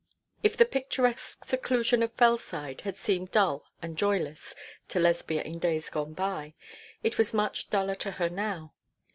If the picturesque seclusion of Fellside had seemed dull and joyless to Lesbia in days gone by, it was much duller to her now.